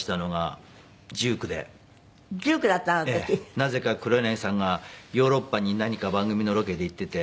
なぜか黒柳さんがヨーロッパに何か番組のロケで行ってて。